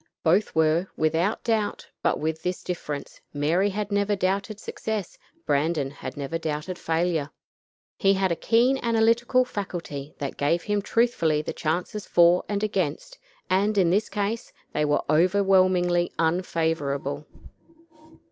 Such were their opposite positions. Both were without doubt, but with this difference; Mary had never doubted success; Brandon never doubted failure. He had a keen analytical faculty that gave him truthfully the chances for and against, and, in this case, they were overwhelmingly unfavorable.